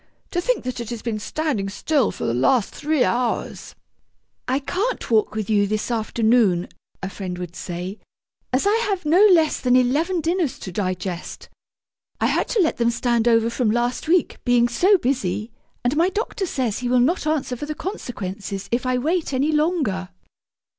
To think that it has been standing still for the last three hours!' 'I can't walk with you this afternoon,' a friend would say, 'as I have no less than eleven dinners to digest. I had to let them stand over from last week, being so busy, and my doctor says he will not answer for the consequences if I wait any longer!'